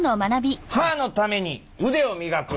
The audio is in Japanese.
「歯のためにうでを磨く！！」。